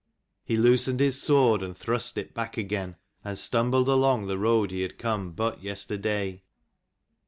He loosened his sword and thrust it back again, and stumbled forth along the road he had come but yesterday.